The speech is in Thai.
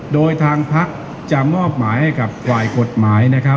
โดยทางพลักษณ์จะมอบหมายให้กับกว่ายกฎหมาย